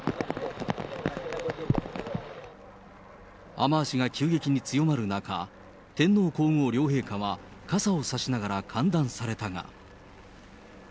雨足が急激に強まる中、天皇皇后両陛下は、傘を差しながら歓談されたが。